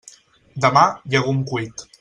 Demà, llegum cuit.